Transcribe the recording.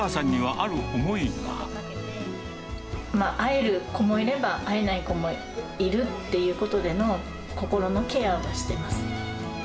会える子もいれば、会えない子もいるっていうことでの、心のケアはしてます。